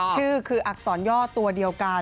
ชื่อคืออักษรย่อตัวเดียวกัน